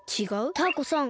タアコさん